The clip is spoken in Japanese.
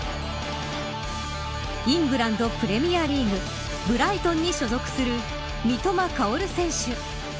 イングランドプレミアリーグブライトンに所属する三笘薫選手。